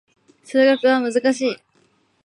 数学は難しい